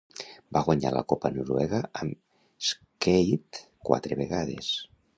Va guanyar la copa noruega amb Skeid quatre vegades.